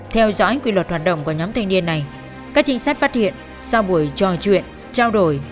theo dõi quy luật hoạt động của nhóm thanh niên này các trinh sát phát hiện sau buổi trò chuyện trao đổi